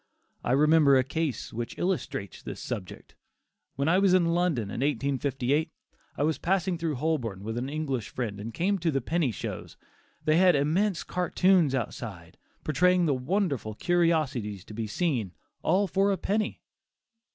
I remember a case which illustrates this subject. When I was in London in 1858, I was passing down Holborn with an English friend and came to the "penny shows." They had immense cartoons outside, portraying the wonderful curiosities to be seen "all for a penny."